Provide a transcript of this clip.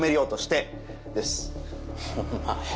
お前。